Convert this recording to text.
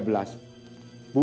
bulan ketiga belas